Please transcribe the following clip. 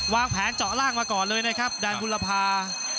วางแผนเจาะล่างมาก่อนเลยนะครับแดนบุรพา